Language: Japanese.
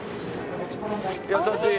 優しい！